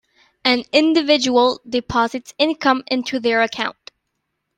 An individual deposits income into their account.